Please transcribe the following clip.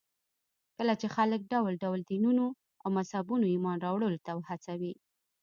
چې خلک پر ډول ډول دينونو او مذهبونو ايمان راوړلو ته وهڅوي.